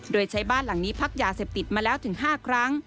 โดยใช้บ้านหลังนี้พักยาเสพติดมาแล้วถึง๕ครั้ง